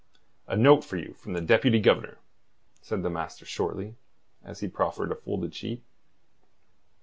"A note for you from the Deputy Governor," said the master shortly, as he proffered a folded sheet.